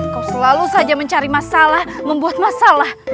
kau selalu saja mencari masalah membuat masalah